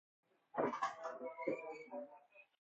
بر زبان جاری کردن